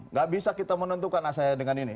nggak bisa kita menentukan mas ahai dengan ini